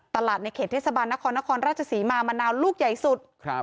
ในเขตเทศบาลนครนครราชศรีมามะนาวลูกใหญ่สุด